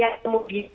untuk aktivitas kita